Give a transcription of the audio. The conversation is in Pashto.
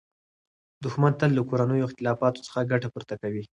دښمن تل له کورنیو اختلافاتو څخه ګټه پورته کوي.